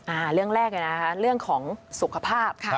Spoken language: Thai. อ่าเรื่องแรกนะครับเรื่องของสุขภาพ